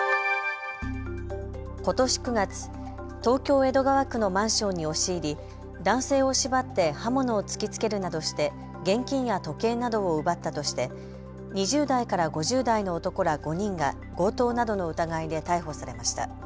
ことし９月、東京江戸川区のマンションに押し入り男性を縛って刃物を突きつけるなどして現金や時計などを奪ったとして２０代から５０代の男ら５人が強盗などの疑いで逮捕されました。